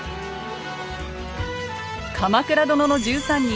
「鎌倉殿の１３人」